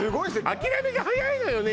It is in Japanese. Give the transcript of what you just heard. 諦めが早いのよね